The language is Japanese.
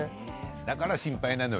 だから心配なのよ